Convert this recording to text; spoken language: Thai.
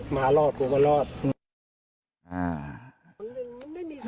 มารอดกูก็รอด